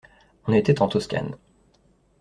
On était en Toscane.